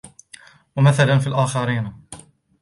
وَمَثَلًا فِي الْآخَرِينَ